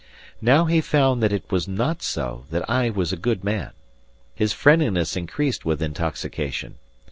Now he found that it was not so, that I was a good man. His friendliness increased with intoxication.